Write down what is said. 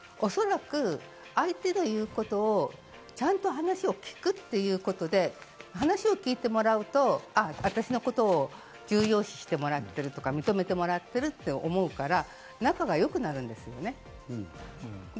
おそらく相手の言うことを、ちゃんと話を聞くということで、話を聞いてもらうと、私のことを重要視してもらえてるとか、認めてもらってるって思うから仲が良くなるんですよね。